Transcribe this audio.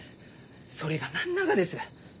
それが何ながです？